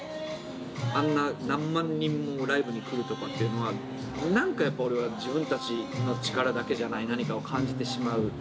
あんな何万人もライブに来るとかっていうのはなんかやっぱ俺は自分たちの力だけじゃない何かを感じてしまう。